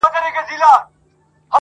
د ګیدړ باټو له حاله وو ایستلی٫